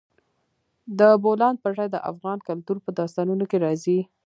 د بولان پټي د افغان کلتور په داستانونو کې راځي.